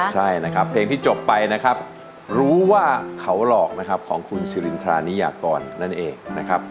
ใช่นะครับเพลงที่จบไปนะครับรู้ว่าเขาหลอกนะครับของคุณสิรินทรานิยากรนั่นเองนะครับ